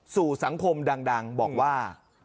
สู่สังคมดังบอกว่า